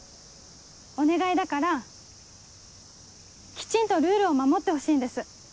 お願いだからきちんとルールを守ってほしいんです。